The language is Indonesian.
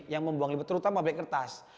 yang membuang liputan terutama pabrik kertas